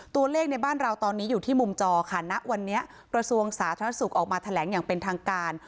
ในบ้านเราตอนนี้อยู่ที่มุมจอค่ะณวันนี้กระทรวงสาธารณสุขออกมาแถลงอย่างเป็นทางการ